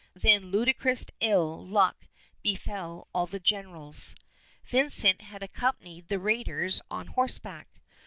Then ludicrous ill luck befell all the generals. Vincent had accompanied the raiders on horseback.